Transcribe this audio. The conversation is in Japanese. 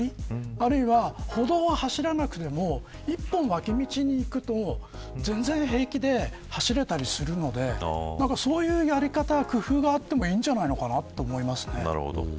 あるいは、歩道を走らなくても１本脇道に行くと全然平気で走れたりするのでそういうやり方や工夫があってもいいんじゃないかなと思います。